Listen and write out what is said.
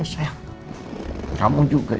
papa ke dalam dulu ya nak